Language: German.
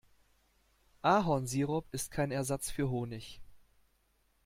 Ahornsirup ist kein Ersatz für Honig.